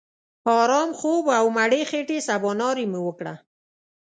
آرام خوب او مړې خېټې سباناري مو وکړه.